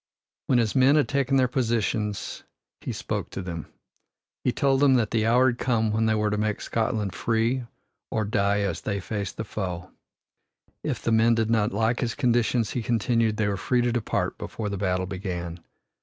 When his men had taken their positions he spoke to them. He told them that the hour had come when they were to make Scotland free or die as they faced the foe. If the men did not like his conditions, he continued, they were free to depart before the battle began.